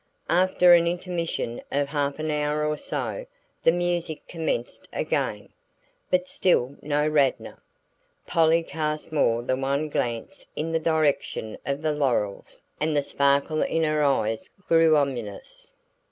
After an intermission of half an hour or so the music commenced again, but still no Radnor. Polly cast more than one glance in the direction of the laurels and the sparkle in her eyes grew ominous.